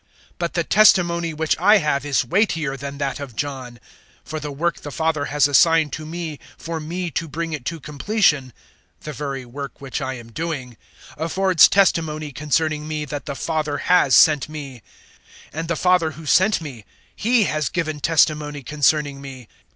005:036 "But the testimony which I have is weightier than that of John; for the work the Father has assigned to me for me to bring it to completion the very work which I am doing affords testimony concerning me that the Father has sent me. 005:037 And the Father who sent me, *He* has given testimony concerning me.